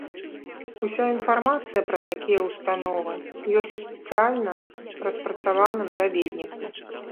Уся інфармацыя пра такія ўстановы ёсць у спецыяльна распрацаваным даведніку.